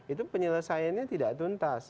itu penyelesaiannya tidak tuntas